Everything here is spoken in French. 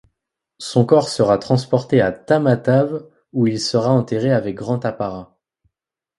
Son corps sera transporté à Tamatave où il sera enterré avec grand apparat.